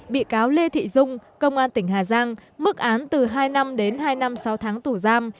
bị cáo lê thị dung công an tỉnh hà giang mức án từ hai năm đến hai năm sáu tháng tù giam